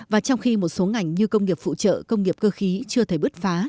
và trong khi một số ngành như công nghiệp phụ trợ công nghiệp cơ khí chưa thể bứt phá